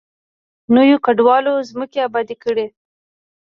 نویو کډوالو ځمکې ابادې کړې.